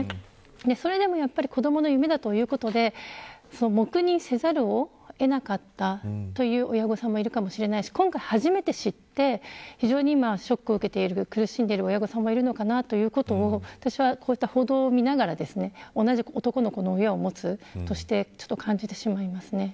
それでもやっぱり子どもの夢だということで黙認せざるを得なかったという親御さんもいるかもしれないし今回初めて知って非常にショックを受けている苦しんでる親御さんもいるのかなということをこういった報道を見ながら同じく男の子の親として感じてしまいます。